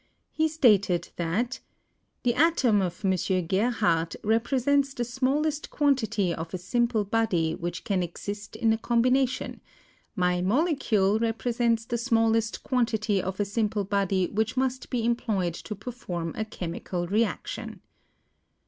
He stated that "the atom of M. Gerhardt represents the smallest quantity of t a simple body which can exist in a combination ; my molecule represents the smallest quantity of a simple body which must be employed to perform a chemical reaction."